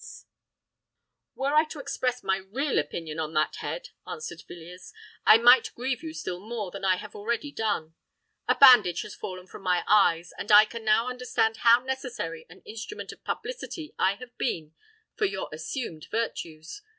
"Were I to express my real opinion on that head," answered Villiers, "I might grieve you still more than I have already done. A bandage has fallen from my eyes—and I can now understand how necessary an instrument of publicity I have been for your assumed virtues.